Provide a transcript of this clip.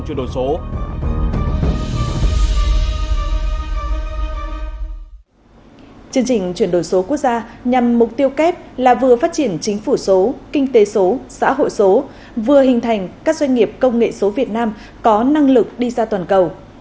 chương trình chuyển đổi số quốc gia nhằm mục tiêu kép là vừa phát triển chính phủ số kinh tế số xã hội số vừa hình thành các doanh nghiệp công nghệ số việt nam có năng lực đi ra toàn cầu